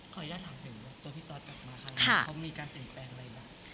ขออยากถามถึงว่าตัวพี่ตอนกลับมาค่ะค่ะเขามีการแต่งแปลงอะไรบ้าง